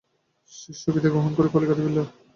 শিষ্যও বিদায় গ্রহণ করিয়া কলিকাতায় ফিরিল।